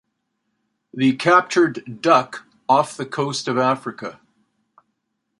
The captured "Duck" off the coast of Africa.